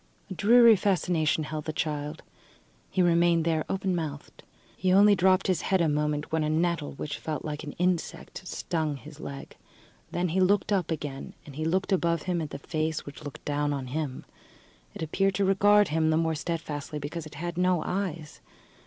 A dreary fascination held the child; he remained there open mouthed. He only dropped his head a moment when a nettle, which felt like an insect, stung his leg; then he looked up again he looked above him at the face which looked down on him. It appeared to regard him the more steadfastly because it had no eyes.